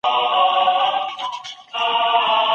د رنسانس دوره تر منځنيو پېړيو ډېره روښانه وه.